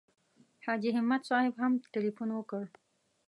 حاجي همت صاحب هم تیلفون وکړ.